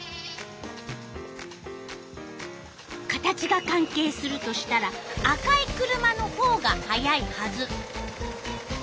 形が関係するとしたら赤い車のほうが速いはず。